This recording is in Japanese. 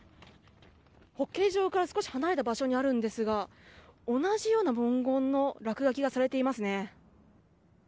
ホッケー場から少し離れた場所になるんですが同じような文言の落書きがされています。